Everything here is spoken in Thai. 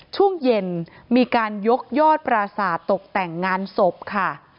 ช่วงเย็นมีการยกยอดปราสาทตกแต่งงานศพค่ะ